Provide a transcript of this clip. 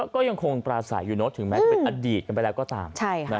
ก็ยังคงปราศัยอยู่เนอะถึงแม้จะเป็นอดีตกันไปแล้วก็ตาม